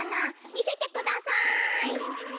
みせてください。